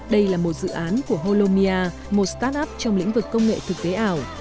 đây là một dự án của holomia một start up trong lĩnh vực công nghệ thực tế ảo